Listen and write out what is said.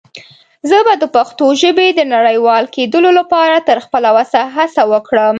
زه به دَ پښتو ژبې د نړيوال کيدلو لپاره تر خپله وسه هڅه وکړم.